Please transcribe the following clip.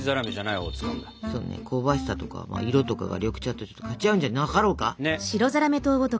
そうね香ばしさとか色とかが緑茶とかち合うんじゃなかろうか。